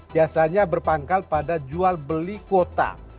biasanya berpangkal pada jual beli kuota